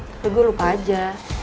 tepat gua lupa aja